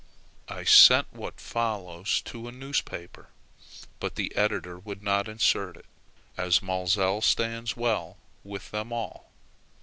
I sent what follows to a newspaper, but the editor would not insert it, as Maelzel stands well with them all.